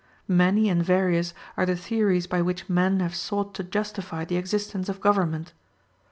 Many and various are the theories by which men have sought to justify the existence of government.